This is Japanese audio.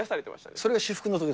それが至福のとき？